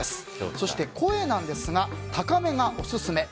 そして、声なんですが高めがオススメ。